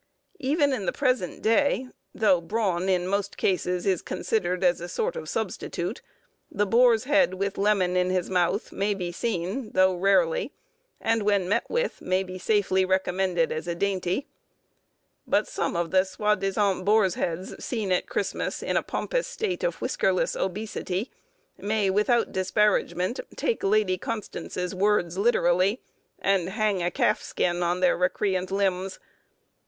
Even in the present day, though brawn, in most cases, is considered as a sort of substitute, the boar's head with lemon in his mouth may be seen, though rarely, and when met with, may be safely recommended as a dainty; but some of the soi disant boars' heads seen at Christmas in a pompous state of whiskerless obesity, may without disparagement take Lady Constance's words literally and "hang a calf skin on their recreant limbs."